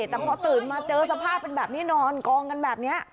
แต่พอตื่นมาเจอสภาพเป็นแบบนี้นอนกองกันแบบนี้